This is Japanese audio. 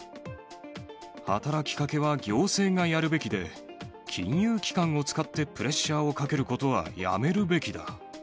働きかけは行政がやるべきで、金融機関を使ってプレッシャーをかけることはやめるべきだ。